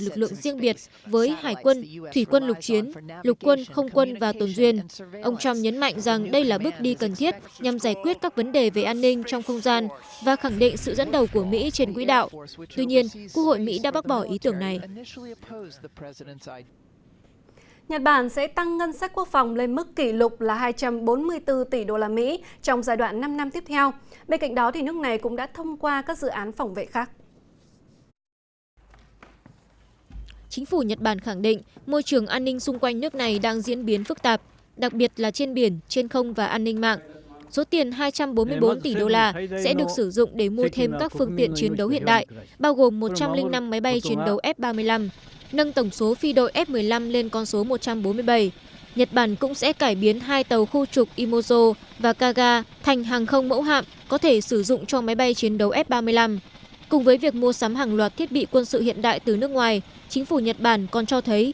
các nước eu sẽ xem xét riêng về mức độ nên cắt giảm khí thải xe tải với một cuộc tranh luận sẽ diễn ra vào ngày hai mươi tháng một mươi hai tới